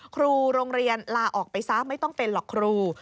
ครูโรงเรียนลาออกไปซะไม่ต้องเป็นหรอกครู